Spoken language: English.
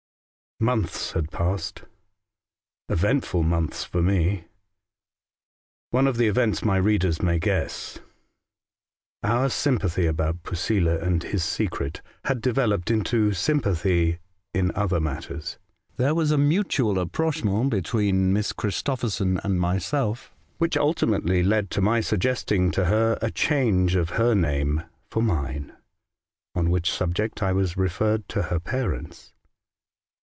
MONTHS had passed — eventful montlis for me. One of the events my readers may guess. Our sympathy about Posela and his secret had developed into sympathy in other matters. There was a mutual approachment between Miss Christopherson and myself, which ultimately led to my suggesting to her a change of her name for mine, on which subject I was referred to her parents.